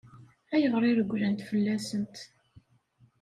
Ayɣer i regglen fell-asent?